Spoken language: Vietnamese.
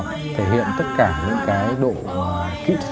mời em mong người